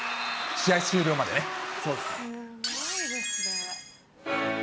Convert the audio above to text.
試合終了までね。